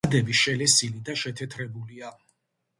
ფასადები შელესილი და შეთეთრებულია.